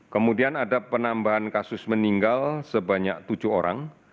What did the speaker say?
kemudian ada penambahan kasus meninggal sebanyak tujuh orang